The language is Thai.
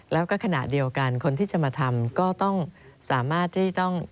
แล้วก็ขณะเดียวกันคนที่จะมาทำก็ต้องสามารถที่ต้อง